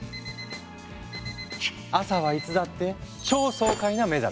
朝はいつだって超爽快な目覚め。